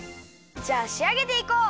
じゃあしあげていこう！